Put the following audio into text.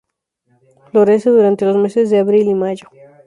Florece durante los meses de abril y mayo.